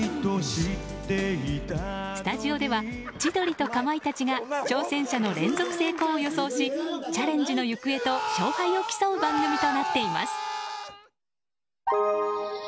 スタジオでは千鳥とかまいたちが挑戦者の連続成功を予想しチャレンジの行方と勝敗を競う番組となっています。